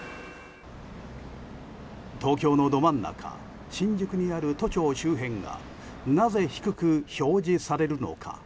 東京のど真ん中新宿にある都庁周辺がなぜ低く表示されるのか。